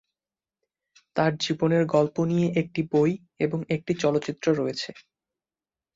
তাঁর জীবনের গল্প নিয়ে একটি বই এবং একটি চলচ্চিত্র রয়েছে।